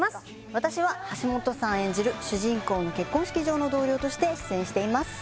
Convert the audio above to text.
私は橋本さん演じる主人公の結婚式場の同僚として出演しています